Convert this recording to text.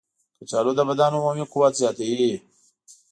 کچالو د بدن عمومي قوت زیاتوي.